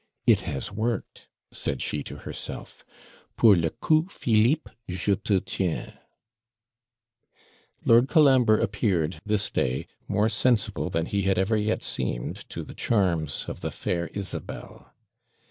'It has worked!' said she to herself. 'POUR LE COUP PHILIPPE JE TE TIENS!' Lord Colambre appeared this day more sensible, than he had ever yet seemed, to the charms of the fair Isabel.